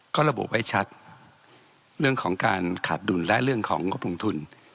ก็ระบุไว้ชัดเรื่องของการขาดดุลและเรื่องของงบลงทุน